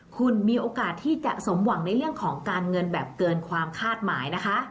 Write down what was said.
คุณมีโอกาสที่จะสมหวังในเรื่องของการเงินแบบเกินความคาดหมายนะคะ